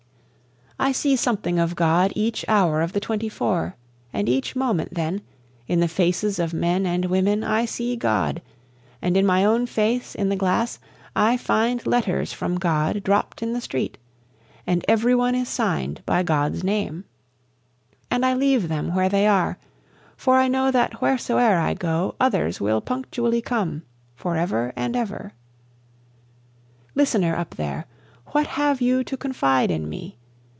I see something of God each hour of the twenty four, and each moment then, In the faces of men and women I see God, and in my own face in the glass, I find letters from God dropt in the street, and every one is sign'd by God's name, And I leave them where they are, for I know that wheresoe'er I go, Others will punctually come forever and ever. Listener up there! What have you to confide in me?